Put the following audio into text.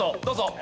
どうぞ。